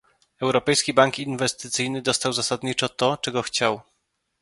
Europejski Bank Inwestycyjny dostał zasadniczo to, czego chciał